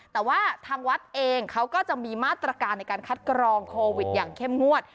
แต่ว่าทางวัดเองเขาก็จะมีมาตรการในการคัดกรองโควิดอย่างเข้มงวด